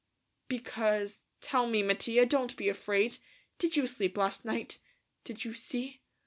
"Because.... Tell me, Mattia. Don't be afraid. Did you sleep last night? Did you see?"